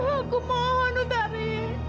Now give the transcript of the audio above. aku mohon utari